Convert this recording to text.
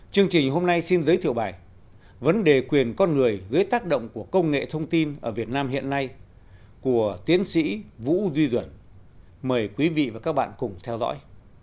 chương trình hôm nay xin giới thiệu bài vấn đề quyền con người dưới tác động của công nghệ thông tin ở việt nam hiện nay của tiến sĩ vũ duy duẩn mời quý vị và các bạn cùng theo dõi